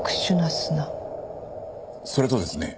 それとですね